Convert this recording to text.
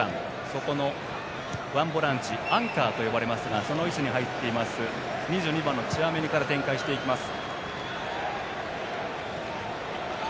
そこのワンボランチアンカーといわれますがその位置に入っている２２番、チュアメニから展開していきます。